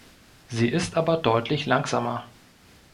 Sie ist aber deutlich langsamer.